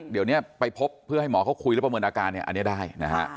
เดี๋ยวนี้ไปพบเพื่อให้หมอเขาคุยแล้วประเมินอาการเนี่ยอันนี้ได้นะฮะ